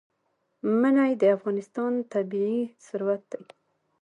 منی د افغانستان طبعي ثروت دی.